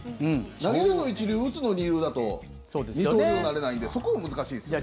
投げるの一流、打つの二流だと二刀流になれないんでそこも難しいですよね。